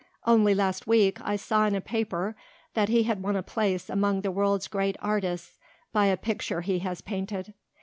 Only last week I saw in a paper that he had won a place among the world's great artists by a picture he has painted.